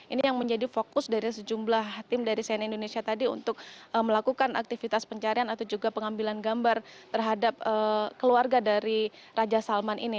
ini yang menjadi fokus dari sejumlah tim dari cnn indonesia tadi untuk melakukan aktivitas pencarian atau juga pengambilan gambar terhadap keluarga dari raja salman ini